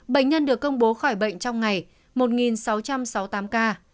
bệnh nhân được công bố khỏi bệnh trong ngày một sáu trăm sáu mươi tám ca